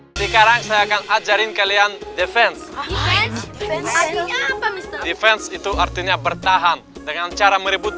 hai sekarang saya akan ajarin kalian defense defense itu artinya bertahan dengan cara merebut